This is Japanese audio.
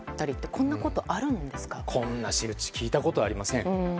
こんな仕打ち聞いたことありません。